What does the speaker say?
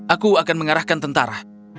aku akan mengarahkan tentara